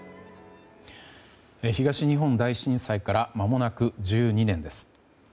東日本大震災からまもなく１２年です。